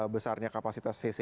besarnya kapasitas cc